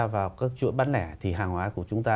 vào các chuỗi bán lẻ thì hàng hóa của chúng ta